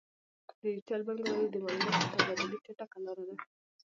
ډیجیټل بانکوالي د معلوماتو د تبادلې چټکه لاره ده.